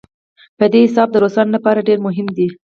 په دې حساب د روسانو لپاره ډېر مهم دی.